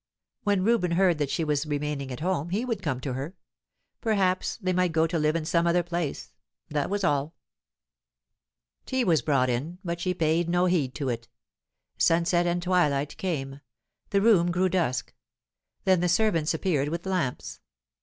When Reuben heard that she was remaining at home, he would come to her. Perhaps they might go to live in some other place; that was all. Tea was brought in, but she paid no heed to it. Sunset and twilight came; the room grew dusk; then the servants appeared with lamps.